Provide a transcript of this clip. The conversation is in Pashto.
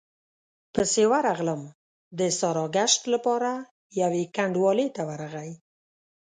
پسې ورغلم، د ساراګشت له پاره يوې کنډوالې ته ورغی،